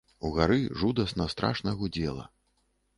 Угары жудасна, страшна гудзела.